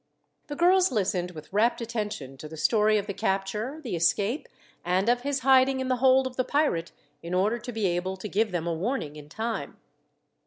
The girls listened with rapt attention to the story of the capture, the escape, and of his hiding in the hold of the pirate in order to be able to give them a warning in time.